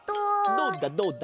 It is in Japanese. どうだどうだ？